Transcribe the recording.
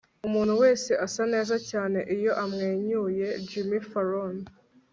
umuntu wese asa neza cyane iyo amwenyuye. - jimmy fallon